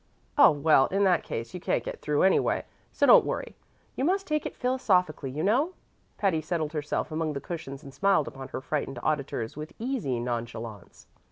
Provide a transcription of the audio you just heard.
"Oh, well, in that case you can't get through anyway, so don't worry. You must take it philosophically, you know." Patty settled herself among the cushions and smiled upon her frightened auditors with easy nonchalance.